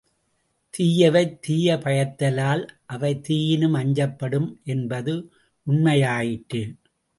தீயவை தீய பயத்தலால் அவை தீயினும் அஞ்சப்படும் என்பது உண்மையாயிற்று.